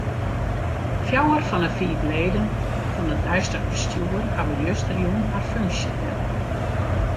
Fjouwer fan 'e fiif leden fan it deistich bestjoer hawwe justerjûn har funksje dellein.